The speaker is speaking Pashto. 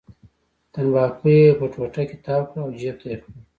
تنباکو یې په ټوټه کې تاو کړل او جېب ته یې کړل.